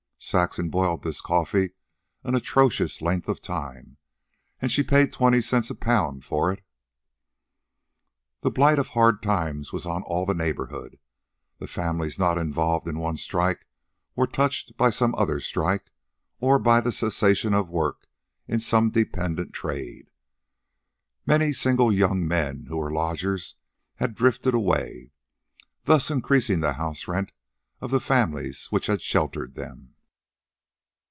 Saxon boiled this coffee an atrocious length of time, and she paid twenty cents a pound for it. The blight of hard times was on all the neighborhood. The families not involved in one strike were touched by some other strike or by the cessation of work in some dependent trade. Many single young men who were lodgers had drifted away, thus increasing the house rent of the families which had sheltered them.